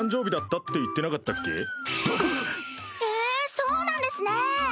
ええそうなんですね。